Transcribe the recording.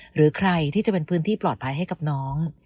หรือใครที่จะเป็นพื้นที่ปลอดภัยให้กับน้อง